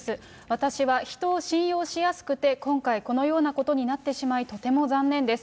私は人を信用しやすくて、今回、このようなことになってしまい、とても残念です。